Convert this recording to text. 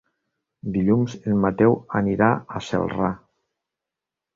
Dilluns en Mateu anirà a Celrà.